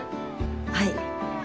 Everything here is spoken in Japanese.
はい。